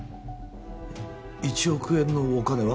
１億円のお金は？